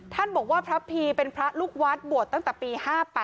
ท่านบอกว่าพระพีเป็นพระลูกวัดบวชตั้งแต่ปี๕๘